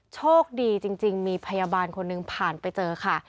โชคดีจริงมีพยาบาลคนหนึ่งผ่านไปเจอค่ะ